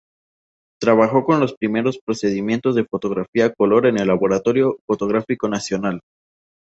Trabajó con los primeros procedimientos de fotografía a color en el Laboratorio Fotográfico Nacional.